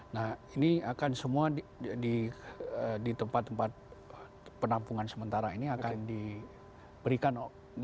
nah ini akan semua di tempat tempat penampungan sementara ini akan diberikan